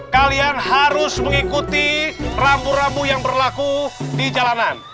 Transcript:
kalian harus mengikuti rambu rambu yang berlaku di jalanan